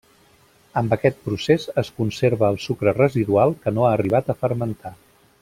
Amb aquest procés es conserva el sucre residual que no ha arribat a fermentar.